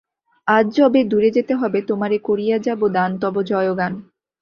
আজ যবে দূরে যেতে হবে তোমারে করিয়া যাব দান তব জয়গান।